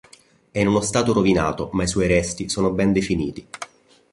È in uno stato rovinato, ma i suoi resti sono ben definiti.